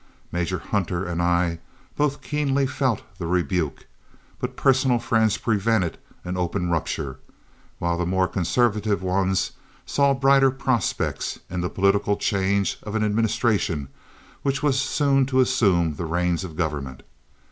Major Hunter and I both keenly felt the rebuke, but personal friends prevented an open rupture, while the more conservative ones saw brighter prospects in the political change of administration which was soon to assume the reins of government.